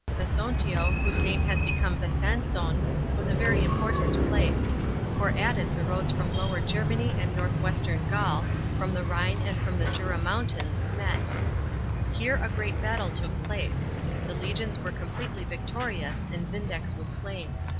Vesontio, whose name has become Besancon, was a very important place ; for at it the roads from Lower Germany and north western Gaul, from the Rhine and from the Jura mountains, m 1. Here a great battle t< >ok place. The legions were completely victorious, and Vindex was slain.